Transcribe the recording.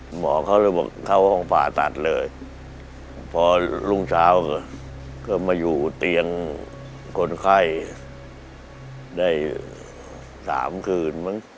หมอเขาเลยบอกเขาห้องผ่าตัดเลยพอรุ่งเช้าก็มาอยู่เตียงคนไข้ได้๓คืนมั้ง